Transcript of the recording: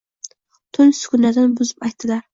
Tun sukutin buzib aytdilar.